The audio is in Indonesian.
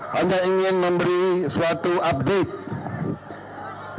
hanya ingin memberi suatu update